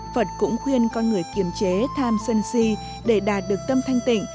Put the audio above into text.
phật cũng khuyên con người kiềm chế tham sân si để đạt được tâm thanh tịnh